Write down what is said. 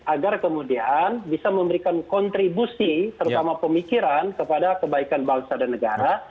agar kemudian bisa memberikan kontribusi terutama pemikiran kepada kebaikan bangsa dan negara